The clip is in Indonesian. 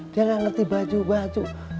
dia nggak ngerti baju baju